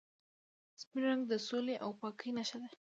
سپین رنګ د سولې او پاکۍ نښه ده.